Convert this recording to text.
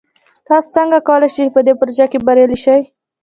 تاسو څنګه کولی شئ چې په دې پروژه کې بریالي شئ؟